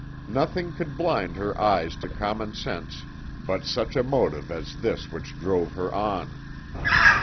Nothing could blind her eyes to common sense but such a motive as this which drove her on."